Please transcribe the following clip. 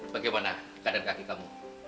bagaimana keadaan kaki kamu